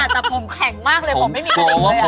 แต่ผมแข็งมากเลยผมไม่มีอาทิตย์เลย